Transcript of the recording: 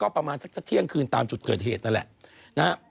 ประมาณสักเที่ยงคืนตามจุดเกิดเหตุนั่นแหละนะฮะ